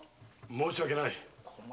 申し訳ない。